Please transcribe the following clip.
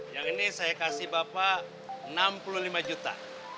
yang ini saya kasih bapak enam puluh lima juta